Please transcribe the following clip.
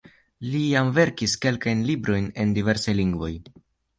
Li jam verkis kelkajn librojn en diversaj lingvoj.